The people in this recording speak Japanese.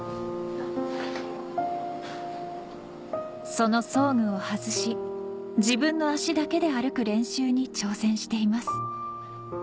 その装具を外し自分の足だけで歩く練習に挑戦しています